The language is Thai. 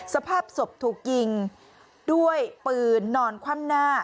สภาพศพถูกยิงด้วยปืนนอนคว่ำหน้า